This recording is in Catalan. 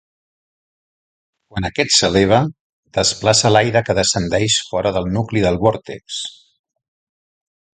Quan aquest s'eleva, desplaça l'aire que descendeix fora del nucli del vòrtex.